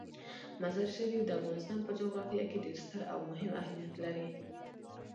مزارشریف د افغانستان په جغرافیه کې ډیر ستر او مهم اهمیت لري.